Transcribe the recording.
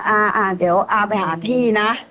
อะอะอะอะเดี๋ยวไปหาที่นะ